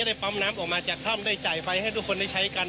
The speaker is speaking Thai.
ได้ปั๊มน้ำออกมาจากถ้ำได้จ่ายไฟให้ทุกคนได้ใช้กัน